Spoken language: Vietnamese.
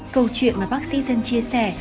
câu chuyện mà bác sĩ dân chia sẻ